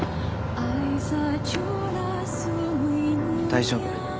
大丈夫。